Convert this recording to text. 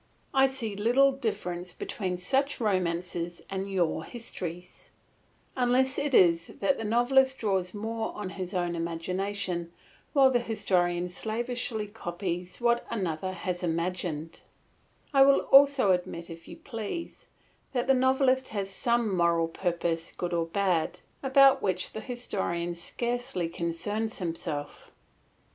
I see little difference between such romances and your histories, unless it is that the novelist draws more on his own imagination, while the historian slavishly copies what another has imagined; I will also admit, if you please, that the novelist has some moral purpose good or bad, about which the historian scarcely concerns himself.